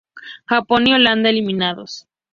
Japón y Holanda eliminados.